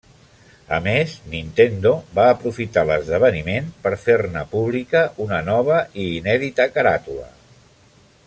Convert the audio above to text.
A més, Nintendo va aprofitar l'esdeveniment per fer-ne pública una nova i inèdita caràtula.